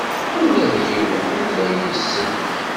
Ula d yiwen ur la iyi-isell.